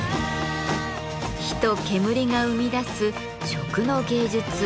火と煙が生み出す食の芸術「燻製」。